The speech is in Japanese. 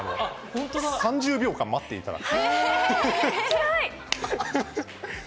３０秒間待っていただく。